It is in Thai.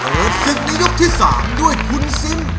ศึกในยกที่๓ด้วยคุณซิม